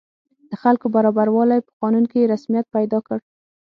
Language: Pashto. د خلکو برابروالی په قانون کې رسمیت پیدا کړ.